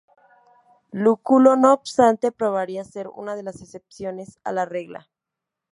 Lúculo, no obstante, probaría ser una de las excepciones a la regla.